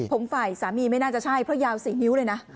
ผมฝ่ายสามีไม่น่าจะใช่เพราะยาว๔นิ้วเลยนะ